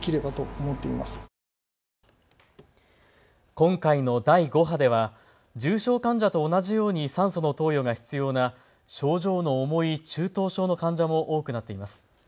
今回の第５波では、重症患者と同じように酸素の投与が必要な症状の重い中等症の患者も多くなっています。